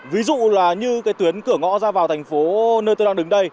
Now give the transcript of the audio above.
ví dụ như tuyến cửa ngõ ra vào thành phố nơi tôi đang đứng đây